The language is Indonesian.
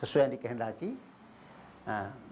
kasulana tombi itu adalah kita melirik